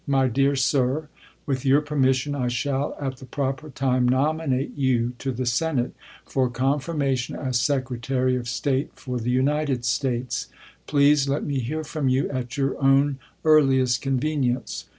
My Dear Sir: With your permission I shall at the proper time nominate you to the Senate for confirmation as Secretary of State for the United States. Please let me hear from you at your own earliest convenience.